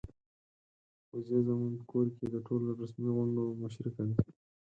وزې زموږ په کور کې د ټولو رسمي غونډو مشري کوي.